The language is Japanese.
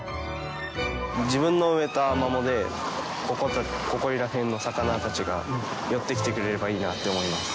自分の植えたアマモで、ここらへんの魚たちが寄ってきてくれればいいなと思います。